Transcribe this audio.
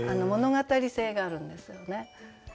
物語性があるんですよね。